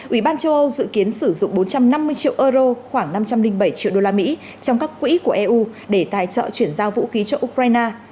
ủy ban châu âu dự kiến sử dụng bốn trăm năm mươi triệu euro khoảng năm trăm linh bảy triệu đô la mỹ trong các quỹ của eu để tài trợ chuyển giao vũ khí cho ukraine